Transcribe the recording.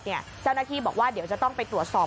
เจ้าหน้าที่บอกว่าเดี๋ยวจะต้องไปตรวจสอบ